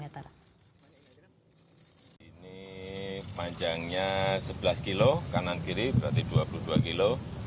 sebenarnya sebelas km kanan kiri berarti dua puluh dua km